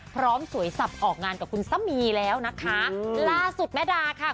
สวยสับออกงานกับคุณซะมีแล้วนะคะล่าสุดแม่ดาค่ะ